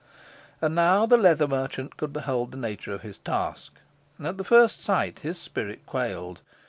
And now the leather merchant could behold the nature of his task: and at the first sight his spirit quailed.